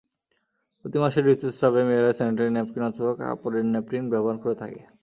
প্রতি মাসে ঋতুস্রাবে মেয়েরা স্যানিটারি ন্যাপকিন অথবা কাপড়ের ন্যাপকিন ব্যবহার করে থাকে।